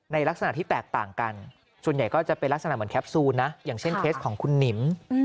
ลักษณะที่แตกต่างกันส่วนใหญ่ก็จะเป็นลักษณะเหมือนแคปซูลนะอย่างเช่นเคสของคุณหนิม